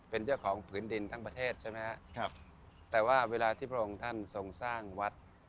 เป็นเจ้าของผืนดินทั้งประเทศใช่ไหมครับแต่ว่าเวลาที่พระองค์ท่านทรงสร้างวัด